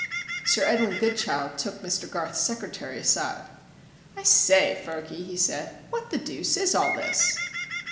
Sir Edwin Goodchild took Mr Garth's secretary aside. "I say, Fergy," he said, "what the deuce is all this?"